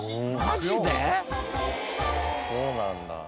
卓志：そうなんだ。